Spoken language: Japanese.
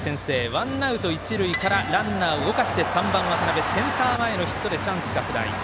ワンアウト、一塁からランナーを動かして３番、渡邊センター前のヒットでチャンス拡大。